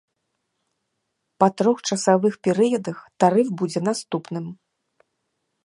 Па трох часавых перыядах тарыф будзе наступным.